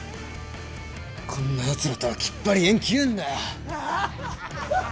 こんなやつらとはきっぱり縁切るんだよ。